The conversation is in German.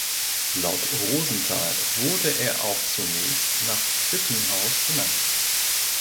Laut Rosenthal wurde er auch zunächst nach Hüttenhaus benannt.